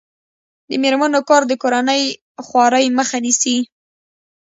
د میرمنو کار د کورنۍ خوارۍ مخه نیسي.